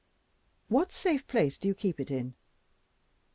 "What safe place do you keep it in?"